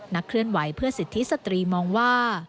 เคลื่อนไหวเพื่อสิทธิสตรีมองว่า